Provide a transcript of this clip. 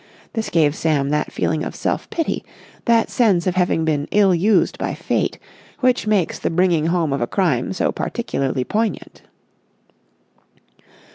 This gave Sam that feeling of self pity, that sense of having been ill used by Fate, which makes the bringing home of crime so particularly poignant.